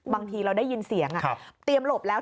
บางทีเราได้ยินเสียงเตรียมหลบแล้ว